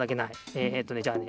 えっとねじゃあね